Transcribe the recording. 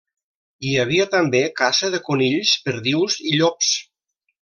Hi havia també caça de conills, perdius i llops.